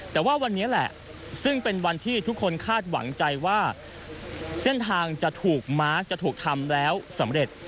แต่ว่าวันนี้แหละซึ่งเป็นวันที่ทุกคนคาดหวังใจว่าเส้นทางจะถูกมาร์คจะถูกทำแล้วสำเร็จ